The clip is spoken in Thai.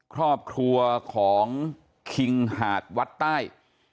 ครอบครัวของคิงหาดวัดใต้